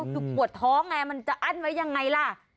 ดูปวดท้อไงมันจะอั้นไว้อย่างไรละ